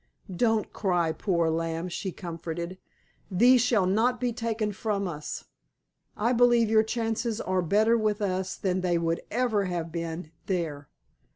"Don't cry, poor lamb," she comforted, "thee shall not be taken from us. I believe your chances are better with us than they would ever have been there.